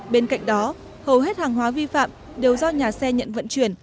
bên cạnh đó hầu hết hàng hóa vi phạm đều do nhà xe nhận vận chuyển